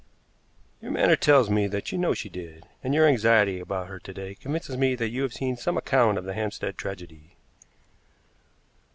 "Your manner tells me that you know she did, and your anxiety about her to day convinces me that you have seen some account of the Hampstead tragedy."